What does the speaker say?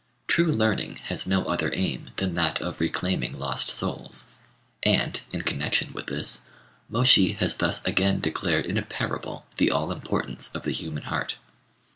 True learning has no other aim than that of reclaiming lost souls; and, in connection with this, Môshi has thus again declared in a parable the all importance of the human heart.